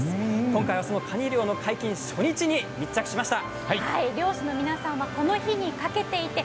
今回は、そのカニ漁の解禁初日に密着しました。